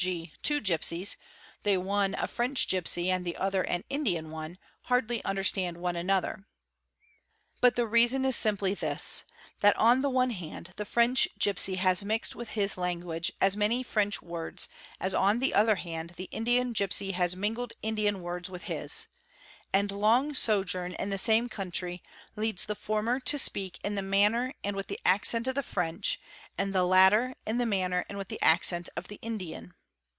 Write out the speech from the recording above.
g., two gipsies, the one a French gipsy and the other an Indian one, hardly understand one another. But the reason is simply this, that on the one hand the French gipsy has mixed with his language as many French words as on the other hand the Indian gipsy has mingled Indian words with his, and long sojourn in the same country leads the former to speak in the manner and with the accent of the French, and the latter in the manner and with the accent of the Indian.